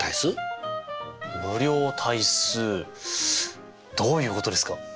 無量大数どういうことですか？